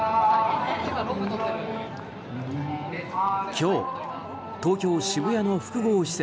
今日、東京・渋谷の複合施設